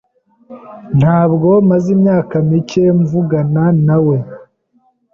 Ntabwo maze imyaka mike mvugana nawe.